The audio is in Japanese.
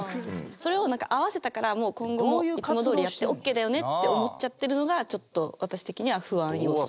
それを会わせたから今後もいつもどおりやってオッケーだよねって思っちゃってるのがちょっと私的には不安要素というか。